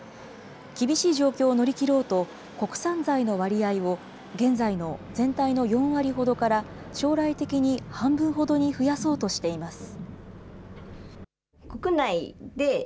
厳しい状況を乗り切ろうと、国産材の割合を、現在の全体の４割ほどから、将来的に半分ほどに増やそうとしています。